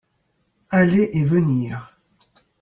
aller et venir.